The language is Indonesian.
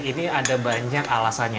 ini ada banyak alasannya